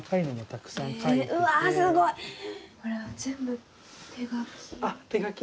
これは全部手描き？